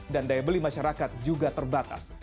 dan daya beli masyarakat juga terbatas